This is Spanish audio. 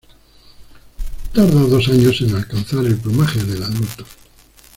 Tarda dos años en alcanzar el plumaje del adulto.